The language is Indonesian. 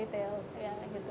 retail ya gitu